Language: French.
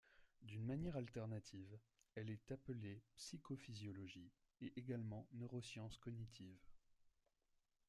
D'une manière alternative, elle est appelée psychophysiologie et également neurosciences cognitives.